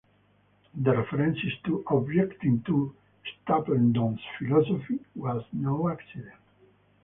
The reference to "objecting to Stapledon's philosophy" was no accident.